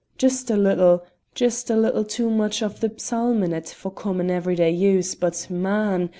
Just a little just a little too much of the psalm in it for common everyday use, but man!